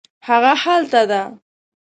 هغه هلته ده